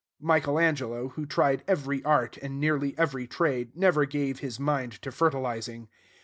Michael Angelo, who tried every art, and nearly every trade, never gave his mind to fertilizing.